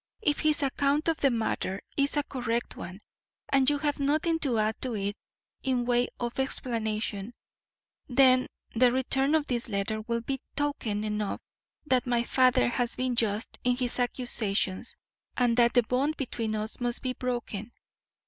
If his account of the matter is a correct one, and you have nothing to add to it in way of explanation, then the return of this letter will be token enough that my father has been just in his accusations and that the bond between us must be broken.